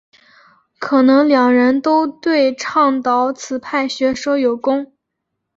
可能两人都对倡导此派学说有功。